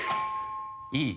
いい。